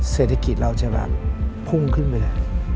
เศรษฐกิจเราจะแบบพุ่งขึ้นไปเลย